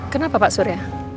kenapa pak surya